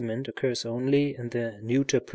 T. occurs only in the neuter pl.